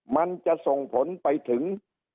มันจะส่งผลไปถึง